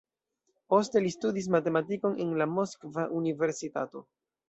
Poste li studis matematikon en la Moskva Universitato.